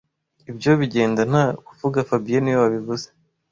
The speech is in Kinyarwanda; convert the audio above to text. Ibyo bigenda nta kuvuga fabien niwe wabivuze (